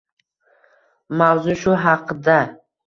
Mavzu shu haqda.